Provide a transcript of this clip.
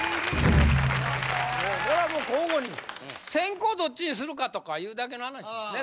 これはもう交互に先攻どっちにするかとかいうだけの話ですね